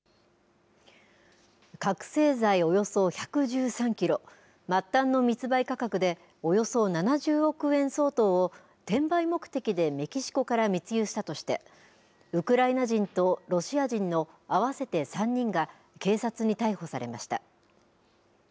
覚醒剤およそ１１３キロ末端の密売価格でおよそ７０億円相当を転売目的でメキシコから密輸したとしてウクライナ人とロシア人の合わせて３人が警察に逮捕されました。